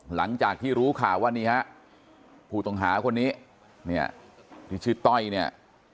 หลังจากที่รู้ข่าวว่านี่ฮะผู้ต้องหาคนนี้เนี่ยที่ชื่อต้อยเนี่ย